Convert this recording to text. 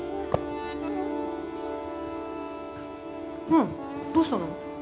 ああどうしたの？